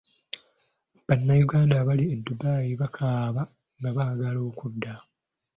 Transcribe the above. Bannayuganda abali e Dubai bakaaba nga baagala okudda.